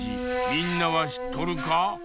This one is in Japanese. みんなはしっとるか？